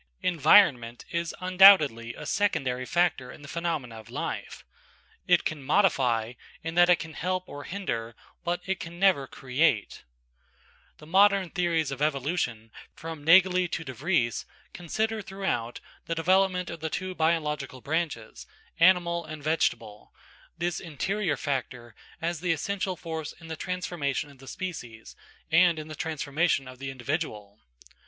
Environment is undoubtedly a secondary factor in the phenomena of life; it can modify in that it can help or hinder, but it can never create. The modern theories of evolution, from Naegeli to De Vries, consider throughout the development of the two biological branches, animal and vegetable, this interior factor as the essential force in the transformation of the species and in the transformation of the individual.